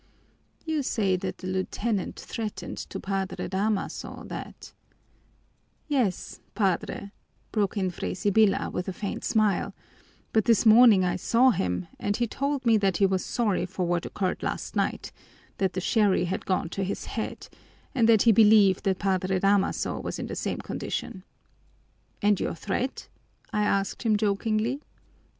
"You say that the lieutenant threatened to Padre Damaso that " "Yes, Padre," broke in Fray Sibyla with a faint smile, "but this morning I saw him and he told me that he was sorry for what occurred last night, that the sherry had gone to his head, and that he believed that Padre Damaso was in the same condition. 'And your threat?' I asked him jokingly.